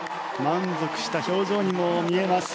満足した表情にも見えます。